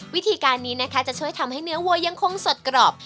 วิธีการนี้นะคะจะช่วยทำให้เนื้อวัวยังคงสดกรอบ